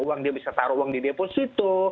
uang dia bisa taruh uang di deposito